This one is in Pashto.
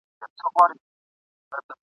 خبر دي راووړ د حریفانو !.